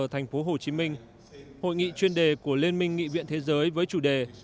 thành phố hồ chí minh hội nghị chuyên đề của liên minh nghị viện thế giới với chủ đề